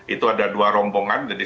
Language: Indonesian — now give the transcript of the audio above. itu ada dua rombongan